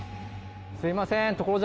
すいません。